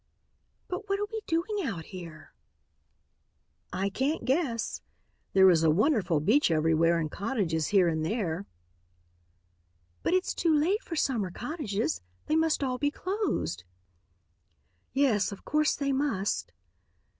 "But what are we doing out here?" "I can't guess. There is a wonderful beach everywhere and cottages here and there." "But it's too late for summer cottages. They must all be closed." "Yes, of course they must."